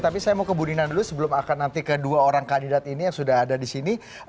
tapi saya mau ke bu nina dulu sebelum akan nanti kedua orang kandidat ini yang sudah ada di sini